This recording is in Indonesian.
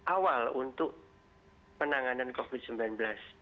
awal untuk penanganan covid sembilan belas